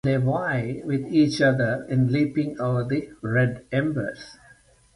They vie with each other in leaping over the red embers.